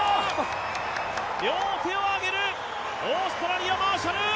両手を上げる、オーストラリア、マーシャル！